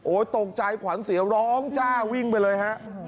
ตกใจขวัญเสียวร้องจ้าวิ่งไปเลยฮะ